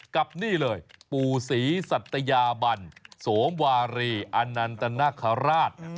กับนี่เลยปู่ศรีสัตยาบันโสมวารีอนันตนาคาราช